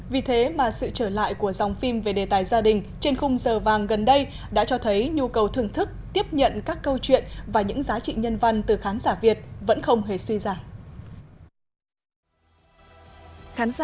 vì thế mà sự trở lại của dòng phim về đề tài gia đình trên khung giờ vàng gần đây đã cho thấy nhu cầu thưởng thức tiếp nhận các câu chuyện và những giá trị nhân văn từ khán giả việt vẫn không hề suy giảm